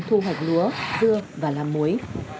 thu hoạch lúa dưa và làm muối